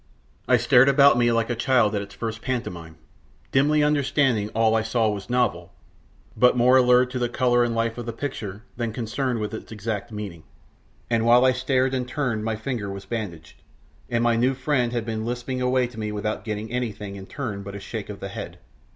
I stared about me like a child at its first pantomime, dimly understanding all I saw was novel, but more allured to the colour and life of the picture than concerned with its exact meaning; and while I stared and turned my finger was bandaged, and my new friend had been lisping away to me without getting anything in turn but a shake of the head.